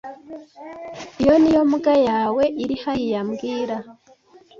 Iyo niyo mbwa yawe iri hariya mbwira